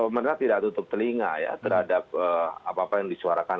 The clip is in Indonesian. mereka tidak tutup telinga ya terhadap apa apa yang disuarakan